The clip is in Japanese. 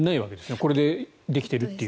これでできてるっていう。